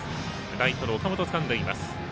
ライトの岡本、つかんでいます。